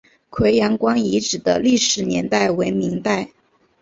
葵阳关遗址的历史年代为明代。